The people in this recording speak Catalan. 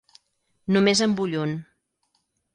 Només en vull un.